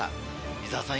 伊沢さん